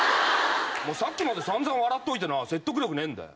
さっきまで散々笑っといて説得力ねえんだよ。